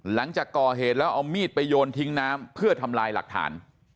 หลังจากก่อเหตุแล้วเอามีดไปโยนทิ้งน้ำเพื่อทำลายหลักฐาน